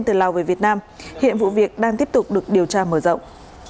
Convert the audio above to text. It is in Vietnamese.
từ lào về việt nam hiện vụ việc đang tiếp tục được điều tra mở rộng